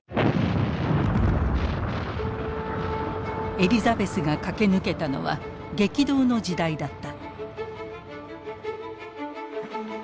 エリザベスが駆け抜けたのは激動の時代だった。